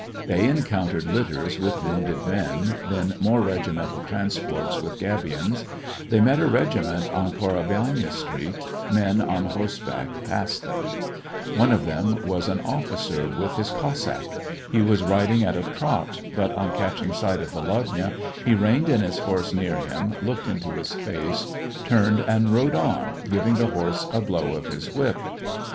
They encountered litters with wounded men, then more regimental transports with gabions; they met a regiment on Korabelnaya street ; men on horseback passed them. One of them SEVASTOPOL IN AUGUST. 179 was an officer, with his Cossack. He was riding at a trot, but, on catching sight of Volodya, he reined in his horse near him, looked into his face, turned and rode on, giving the horse a blow of his whip.